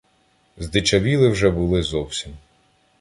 Здичавіли вже були зовсім.